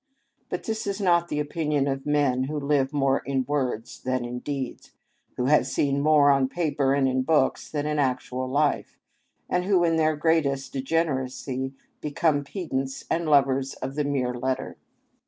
But this is not the opinion of men who live more in words than in deeds, who have seen more on paper and in books than in actual life, and who in their greatest degeneracy become pedants and lovers of the mere letter.